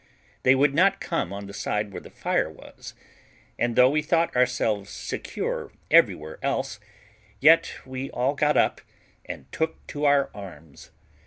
They would not come on the side where the fire was; and though we thought ourselves secure everywhere else, yet we all got up and took to our arms.